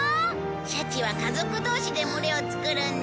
シャチは家族同士で群れを作るんだ。